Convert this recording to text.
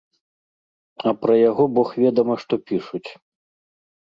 А пра яго бог ведама што пішуць.